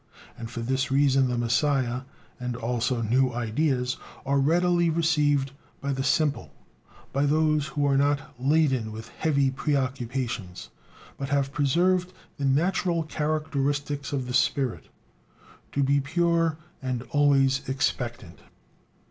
And for this reason the Messiah, and also new ideas, are readily received by the "simple," by those who are not "laden with heavy preoccupations," but have preserved the natural characteristics of the spirit: to be pure and always "expectant."